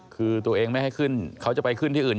คือตัวเองไม่ให้ขึ้นเขาจะไปขึ้นที่อื่น